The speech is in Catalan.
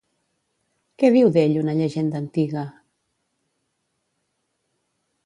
Què diu d'ell una llegenda antiga?